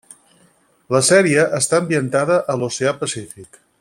La sèrie està ambientada a l'Oceà Pacífic.